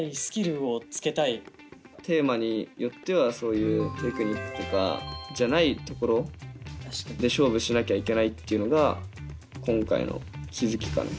テーマによってはそういうテクニックとかじゃないところで勝負しなきゃいけないっていうのが今回の気付きかな。